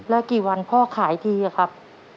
แล้วกี่วันพ่อขายทีอะครับ